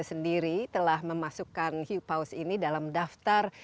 beri risiko merekauma ini berakhir